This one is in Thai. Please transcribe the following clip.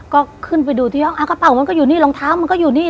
ก็ขึ้นไปดูที่ห้องกระเป๋ามันก็อยู่นี่รองเท้ามันก็อยู่นี่